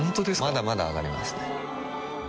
まだまだ上がりますね